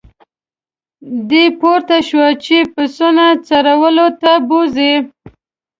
دی پورته شو چې پسونه څرولو ته بوزي.